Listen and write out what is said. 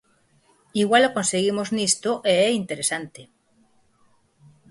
Igual o conseguimos nisto e é interesante.